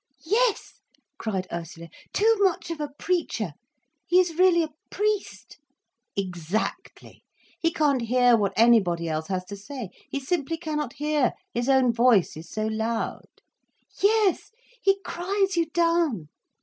"Yes," cried Ursula, "too much of a preacher. He is really a priest." "Exactly! He can't hear what anybody else has to say—he simply cannot hear. His own voice is so loud." "Yes. He cries you down."